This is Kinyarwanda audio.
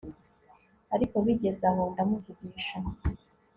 ariko bigeze aho ndamuvugisha